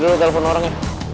gue dulu telepon orangnya